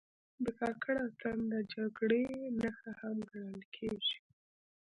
د کاکړ اتن د جګړې نښه هم ګڼل کېږي.